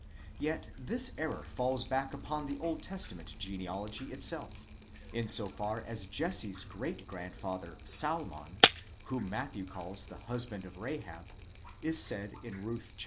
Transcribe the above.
Yet this error falls back upon the Old Testament genealogy itself, in so far as Jesse's great grandfather Salmon, whom Matthew calls the husband of Rahab, is said Ruth iv.